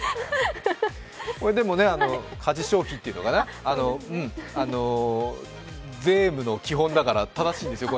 でも、家事消費というのかな、税務の基本だから正しいんですよ。